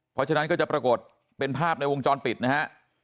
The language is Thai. เพราะฉะนั้นก็จะปรากฏเป็นภาพในวงจรปิดนะฮะ